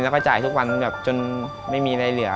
แล้วก็จ่ายทุกวันแบบจนไม่มีอะไรเหลือ